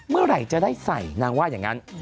เมื่อไหร่จะได้ใส่นางว่าอย่างนั้น